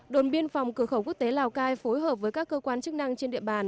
đồn biên phòng cửa khẩu quốc tế lào cai phối hợp với các cơ quan chức năng trên địa bàn